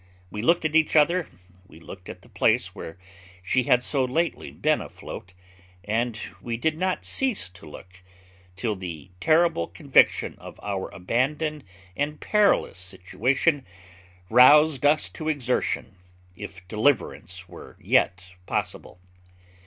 We looked at each other we looked at the place where she had so lately been afloat and we did not cease to look, till the terrible conviction of our abandoned and perilous situation roused us to exertion, if deliverance were yet possible.